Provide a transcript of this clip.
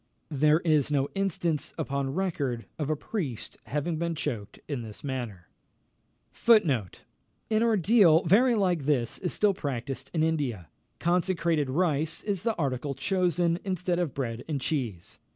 There is no instance upon record of a priest having been choked in this manner. An ordeal very like this is still practised in India. Consecrated rice is the article chosen, instead of bread and cheese.